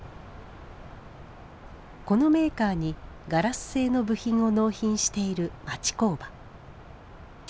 このメーカーにガラス製の部品を納品している町工場。